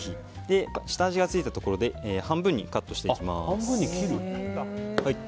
下味がついたところで半分にカットしていきます。